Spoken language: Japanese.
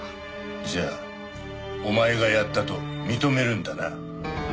じゃあお前がやったと認めるんだな？